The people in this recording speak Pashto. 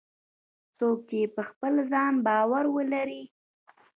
څوک چې په خپل ځان باور ولري